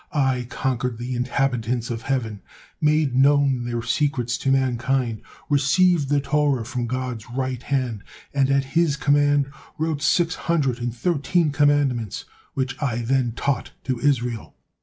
I conquered the inhabitants of heaven, made known there secrets to mankind, received the Torah from God's right hand, and at His command wrote six hundred and thirteen commandments, which I then taught to Israel.